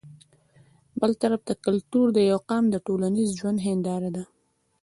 بل طرف ته کلتور د يو قام د ټولنيز ژوند هنداره وي